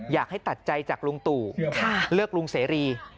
อยากให้ตัดใจจากลุงตู่เลือกลุงเสรี